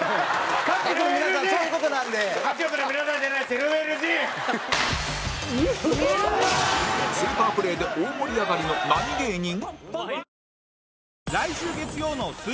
スーパープレーで大盛り上がりの何芸人？